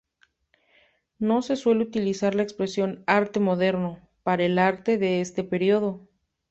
No se suele utilizar la expresión "arte moderno" para el arte de este periodo.